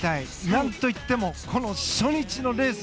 なんといってもこの初日のレース。